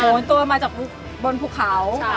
โหตัวมาจากบนบุคเขา